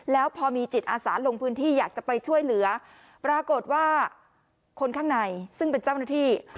แล้วพอมีจิตอาสาลงพื้นที่อยากจะไปช่วยเหลือปรากฏว่าคนข้างในซึ่งเป็นเจ้าหน้าที่